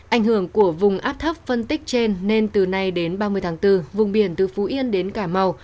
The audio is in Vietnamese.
ảnh hưởng của vùng áp thấp phân tích trên nên từ nay đến ba mươi tháng bốn vùng biển từ phú yên đến cả mau